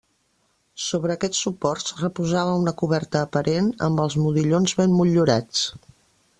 Sobre aquests suports reposava una coberta aparent amb els modillons ben motllurats.